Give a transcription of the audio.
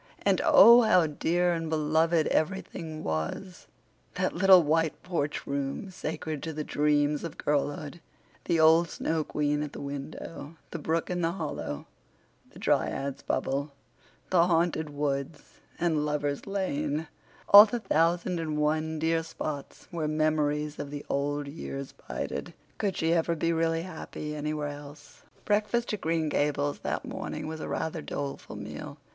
And oh, how dear and beloved everything was—that little white porch room, sacred to the dreams of girlhood, the old Snow Queen at the window, the brook in the hollow, the Dryad's Bubble, the Haunted Woods, and Lover's Lane—all the thousand and one dear spots where memories of the old years bided. Could she ever be really happy anywhere else? Breakfast at Green Gables that morning was a rather doleful meal.